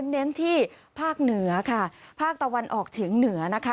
เน้นที่ภาคเหนือค่ะภาคตะวันออกเฉียงเหนือนะคะ